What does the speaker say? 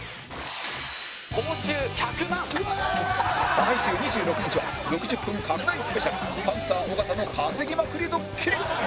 再来週２６日は６０分拡大スペシャルパンサー尾形の稼ぎまくりドッキリ